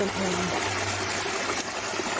แล้วก็ให้น้ำจากบ้านเขาลงคลอมผ่านที่สุดท้าย